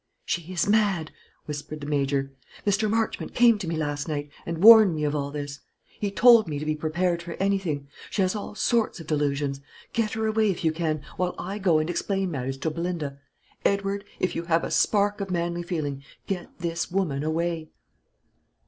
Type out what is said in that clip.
"She is mad," whispered the Major. "Mr. Marchmont came to me last night, and warned me of all this. He told me to be prepared for anything; she has all sorts of delusions. Get her away, if you can, while I go and explain matters to Belinda. Edward, if you have a spark of manly feeling, get this woman away."